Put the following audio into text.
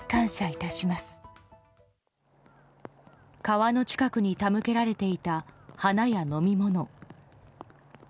川の近くに手向けられていた花や飲み物。